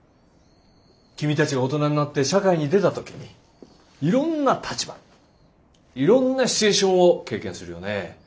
君たちが大人になって社会に出た時にいろんな立場いろんなシチュエーションを経験するよね。